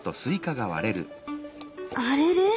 あれれ？